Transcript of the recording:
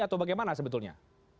atau bagaimana sebetulnya